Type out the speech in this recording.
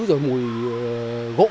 rồi mùi gỗ